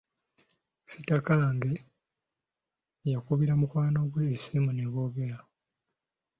Sitakange yakubira mukwano gwe essimu ne boogera.